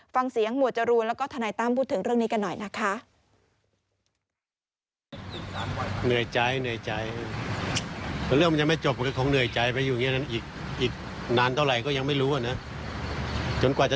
หมวดจรูนแล้วก็ทนายตั้มพูดถึงเรื่องนี้กันหน่อยนะคะ